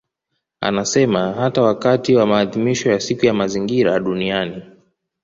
Anasema hata wakati wa maadhimisho wa Siku ya Mazingira Duniani